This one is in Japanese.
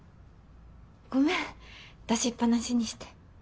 ごめん出しっぱなしにして。